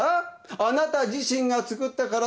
あなた自身が作ったからですよ。